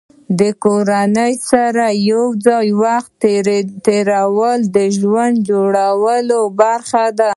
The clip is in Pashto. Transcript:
د کورنۍ سره یو ځای وخت تېرول د ژوند جوړولو برخه ده.